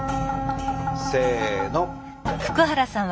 せの！